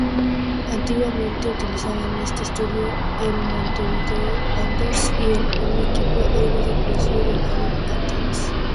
Antiguamente utilizaban este estadio el Montevideo Wanderers y un equipo hoy desaparecido llamado Platense.